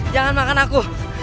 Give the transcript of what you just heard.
jangan makan aku